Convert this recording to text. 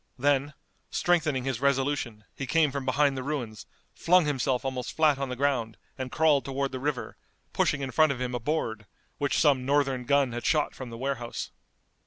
Then, strengthening his resolution, he came from behind the ruins, flung himself almost flat on the ground, and crawled toward the river, pushing in front of him a board, which some Northern gun had shot from the warehouse.